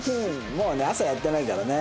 もうね朝やってないからね。